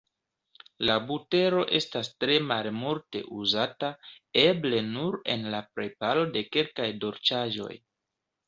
La butero estas tre malmulte uzata, eble nur en la preparo de kelkaj dolĉaĵoj.